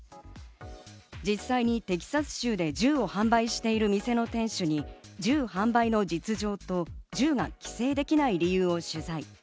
実際にテキサス州で銃を販売している店の店主に銃販売の実情と、銃が規制できない理由を取材。